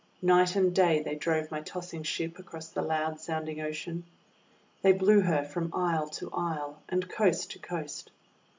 Night and day they drove my tossing ship across the loud sounding Ocean. They blew her from isle to isle and coast to coast.